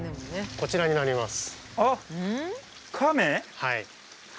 こちらになります。